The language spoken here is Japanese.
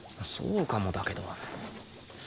そうかもだけど。